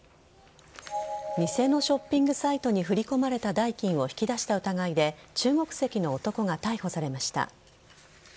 偽のショッピングサイトに振り込まれた代金を引き出した疑いで中国籍の男が逮捕されました。